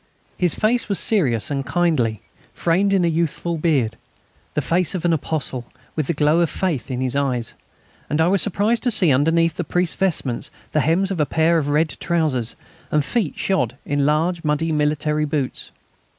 His face was serious and kindly, framed in a youthful beard the face of an apostle, with the glow of faith in his eyes. And I was surprised to see underneath his priest's vestments the hems of a pair of red trousers, and feet shod in large muddy military boots.